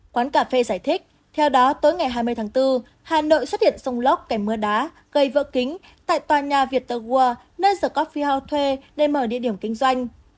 quán cà phê giải thích theo đó tối ngày hai mươi tháng bốn hà nội xuất hiện sông lóc kẻ mưa đá gây vỡ kính tại tòa nhà viettel world nơi the coffee house thuê để mở địa điểm kinh doanh